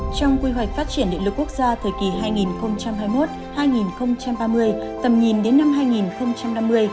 trong quy hoạch phát triển điện lực quốc gia thời kỳ hai nghìn hai mươi một hai nghìn ba mươi tầm nhìn đến năm hai nghìn năm mươi